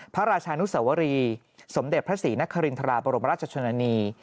พระราชานุสวรีสมเด็จพระศรีนครินทราบรมราชชนนานี